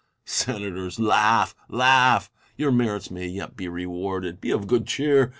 Sena tors ! laugh, laugh ! Your merits may be yet rewarded — be of good cheer